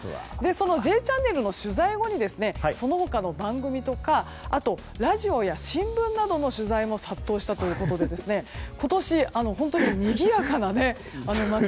その「Ｊチャンネル」の取材後にその他の番組とかラジオや新聞などの取材も殺到したということで今年、本当ににぎやかな街。